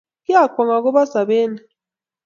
Kiakwong' akobo sobet ni